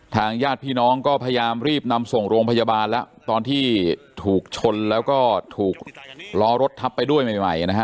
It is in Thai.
ญาติพี่น้องก็พยายามรีบนำส่งโรงพยาบาลแล้วตอนที่ถูกชนแล้วก็ถูกล้อรถทับไปด้วยใหม่นะฮะ